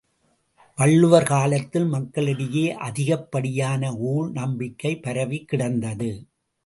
வள்ளுவர் காலத்தில், மக்களிடையே அதிகப்படியான ஊழ் நம்பிக்கை பரவிக்கிடந்தது.